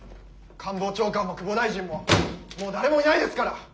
官房長官も久保大臣ももう誰もいないですから！